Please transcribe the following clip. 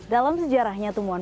dalam sejarahnya tumuan